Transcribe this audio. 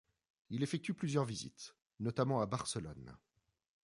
Il effectue plusieurs visites notamment à Barcelonne.